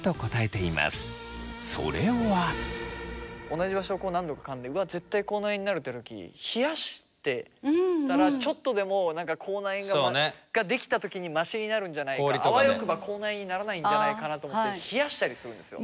同じ場所をこう何度かかんでうわ絶対口内炎になるって時冷やしてたらちょっとでも口内炎が出来た時にマシになるんじゃないかあわよくば口内炎にならないんじゃないかなと思って冷やしたりするんですよ。